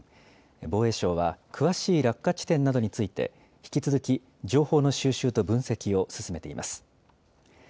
防衛省は詳しい落下地点などについて引き続き情報の収集と分析を進めています。